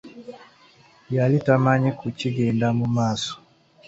Yali tamanyi ku kigenda mu maaso.